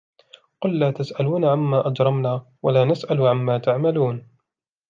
قل لا تسألون عما أجرمنا ولا نسأل عما تعملون